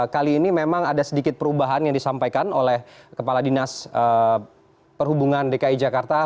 kali ini memang ada sedikit perubahan yang disampaikan oleh kepala dinas perhubungan dki jakarta